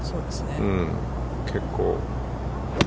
結構。